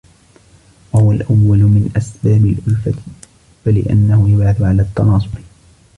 وَهُوَ الْأَوَّلُ مِنْ أَسْبَابِ الْأُلْفَةِ فَلِأَنَّهُ يَبْعَثُ عَلَى التَّنَاصُرِ